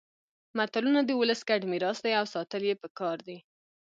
متلونه د ولس ګډ میراث دي او ساتل يې پکار دي